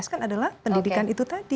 prioritas kan adalah pendidikan itu tadi